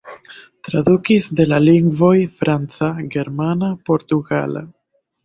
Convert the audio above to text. Tradukis de la lingvoj franca, germana, portugala.